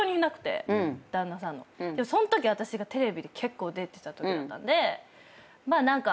そんとき私がテレビ結構出てたときだったんでまあ何か。